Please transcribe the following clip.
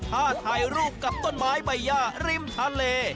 ถ้าถ่ายรูปกับต้นไม้ใบย่าริมทะเล